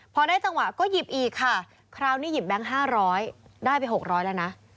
พอได้จังหวะก็หยิบอีกค่ะคราวนี้หยิบแบงค์๕๐๐ได้ไป๖๐๐แล้วนะ